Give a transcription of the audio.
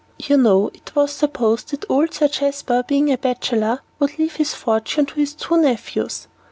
"You know it was supposed that old Sir Jasper, being a bachelor, would leave his fortune to his two nephews.